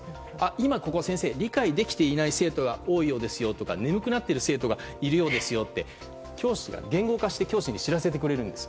今、ここを理解できていない生徒が多いようですよとか眠くなっている生徒がいるようですよとか言語化して教師に知らせてくれるんです。